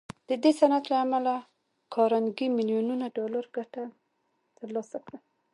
د دې صنعت له امله کارنګي ميليونونه ډالر ګټه تر لاسه کړه.